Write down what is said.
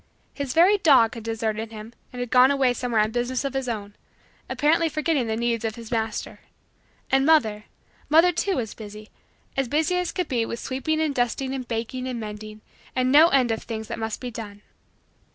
His very dog had deserted him and had gone away somewhere on business of his own, apparently forgetting the needs of his master. And mother mother too was busy, as busy as could be with sweeping and dusting and baking and mending and no end of things that must be done.